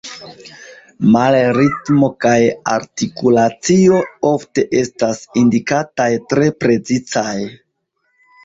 Male ritmo kaj artikulacio ofte estas indikataj tre precizaj.